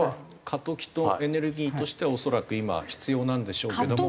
過渡期とエネルギーとしては恐らく今必要なんでしょうけども。